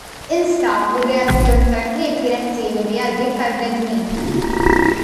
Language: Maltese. Instab li r-reazzjoni tal-klieb kienet simili għal dik tal-bnedmin.